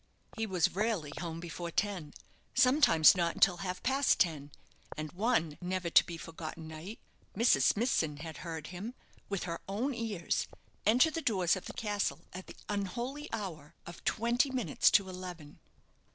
He was rarely home before ten; sometimes not until half past ten; and one never to be forgotten night, Mrs. Smithson had heard him, with her own ears, enter the doors of the castle at the unholy hour of twenty minutes to eleven!